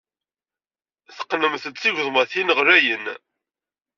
Teqqnemt-d tigeḍmatin ɣlayen.